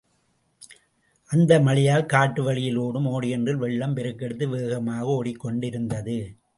அந்த மழையால் காட்டு வழியில் ஒடும் ஓடையொன்றிலே வெள்ளம் பெருக்கெடுத்து வேகமாக ஒடிக் கொண்டிருந்தது.